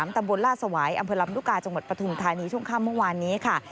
ตำบลราชสวายอำเภอร์ลำดุกาจังหวัดปฐุงธานีช่วงข้ามเมื่อวานนี้ค่ะ